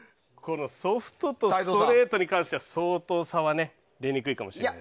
ソフトとストレートに関しては相当差が出にくいかもしれない。